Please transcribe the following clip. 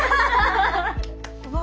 うわ。